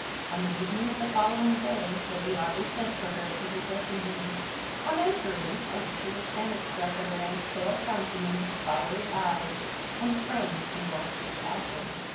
On the evening of the following day Lady Audley sent for her to her dressing room. On entering, Alicia was panic struck at her aunt's pale countenance, fiery eyes, and frame convulsed with passion.